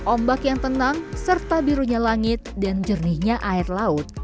ombak yang tenang serta birunya langit dan jernihnya air laut